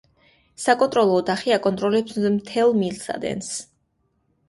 საკონტროლო ოთახი აკონტროლებს მთელ მილსადენს.